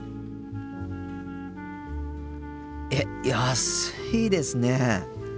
えっ安いですね。